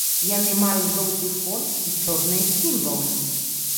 Яны маюць жоўты фон і чорныя сімвалы.